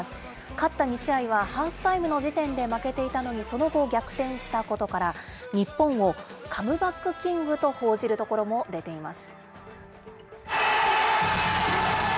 勝った２試合はハーフタイムの時点で負けていたのに、その後、逆転したことから、日本をカムバックキングと報じるところも出ています。